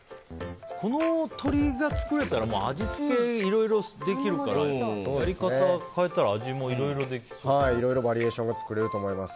この鶏が作れたら味付け、いろいろできるからやり方を変えたらいろいろバリエーションが作れると思います。